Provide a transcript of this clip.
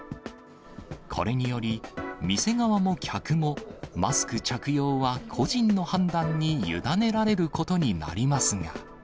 これにより、店側も客も、マスク着用は個人の判断に委ねられることになりますが。